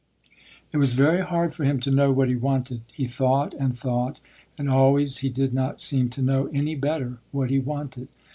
It was very hard for him to know what he wanted. He thought and thought, and always he did not seem to know any better what he wanted.